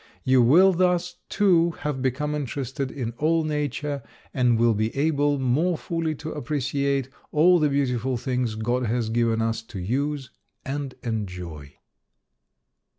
You will thus, too, have become interested in all nature and will be able more fully to appreciate all the beautiful things God has given us to use and enjoy.